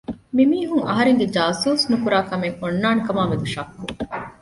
މި މީހުން އަހަރެންގެ ޖާސޫސް ނުކުރާ ކަމެއް އޮންނާނެ ކަމާއި މެދު ޝައްއް